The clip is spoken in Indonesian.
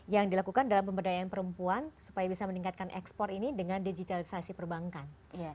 yang dilakukan dalam pemberdayaan perempuan supaya bisa meningkatkan ekspor ini dengan digitalisasi perbankan